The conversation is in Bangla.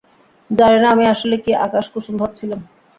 জানি না, আমি আসলে কী আকাশ কুসুম ভাবছিলাম।